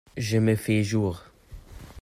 Je me fais jour